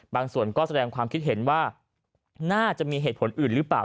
ส่วนก็แสดงความคิดเห็นว่าน่าจะมีเหตุผลอื่นหรือเปล่า